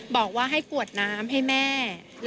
บอกว่าให้กวดน้ำให้แม่